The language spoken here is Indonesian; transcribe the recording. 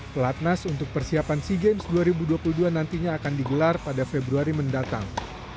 pelatnas untuk persiapan sea games dua ribu dua puluh dua nantinya akan digelar pada februari mendatang